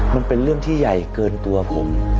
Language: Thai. มันเป็นเรื่องที่ใหญ่เกินตัวผม